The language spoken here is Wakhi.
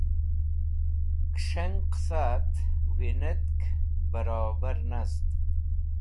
Kis̃heng Qasa et Winetk Barobar nast